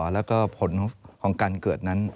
และผลของการเกิดนั้น